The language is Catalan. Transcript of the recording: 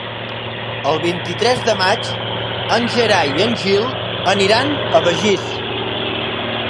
El vint-i-tres de maig en Gerai i en Gil aniran a Begís.